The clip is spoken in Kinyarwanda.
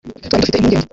twari dufite impungenge